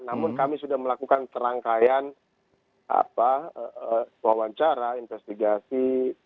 namun kami sudah melakukan serangkaian wawancara investigasi